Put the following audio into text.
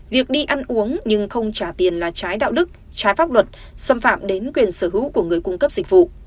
việc đi ăn uống nhưng không trả tiền là trái đạo đức trái pháp luật xâm phạm đến quyền sở hữu của người cung cấp dịch vụ